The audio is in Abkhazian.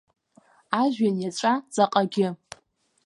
Ажәҩан иаҵәа, ҵаҟагьы.